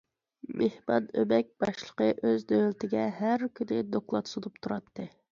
مېھمان ئۆمەك باشلىقى ئۆز دۆلىتىگە ھەر كۈنى دوكلات سۇنۇپ تۇراتتى.